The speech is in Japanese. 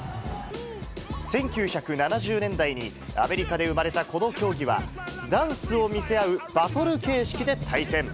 １９７０年代にアメリカで生まれたこの競技は、ダンスを見せ合うバトル形式で対戦。